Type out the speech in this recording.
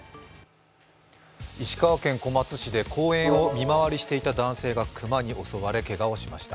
石川県小松市で公園を見回りしていた男性が熊に襲われ、けがをしました。